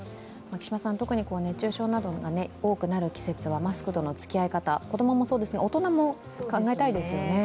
特に熱中症などが多くなる季節、マスクへのつきあい方、子供もそうですが、大人も考えたいですよね。